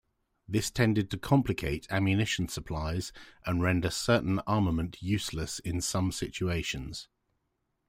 This tended to complicate ammunition supplies and render certain armament useless in some situations.